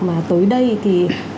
mà tới đây thì